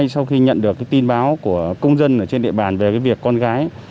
sau khi nhận được tin báo của công dân trên địa bàn về việc con gái